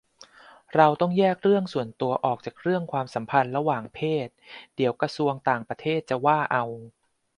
เราต้องแยกเรื่องส่วนตัวออกจากเรื่องความสัมพันธ์ระหว่างเพศ เดี๋ยวก.ต่างประเทศจะว่าเอา